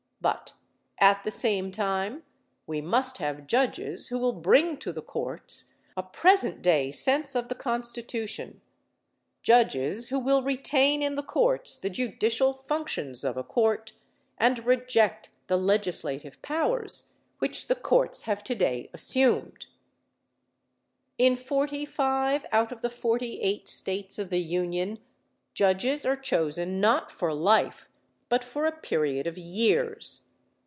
But, at the same time, we must have judges who will bring to the courts a present day sense of the Constitution judges who will retain in the courts the judicial functions of a court, and reject the legislative powers which the courts have today assumed. In forty five out of the forty eight states of the Union, judges are chosen not for life but for a period of years.